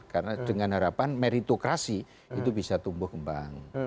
karena dengan harapan meritokrasi itu bisa tumbuh kembang